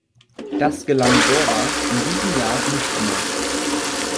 Das gelang „Dora“ in diesem Jahr nicht erneut.